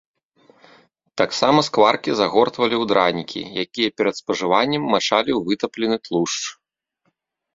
Таксама скваркі загортвалі ў дранікі, якія перад спажываннем мачалі ў вытаплены тлушч.